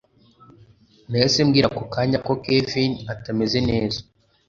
nahise mbwira ako kanya ko kevin atameze neza